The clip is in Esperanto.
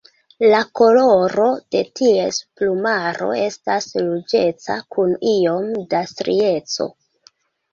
La koloro de ties plumaro estas ruĝeca kun iome da strieco.